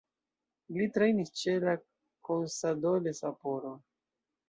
Li trejnis ĉe Consadole Sapporo.